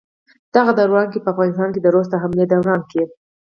دغه دوران کښې په افغانستان د روس د حملې دوران کښې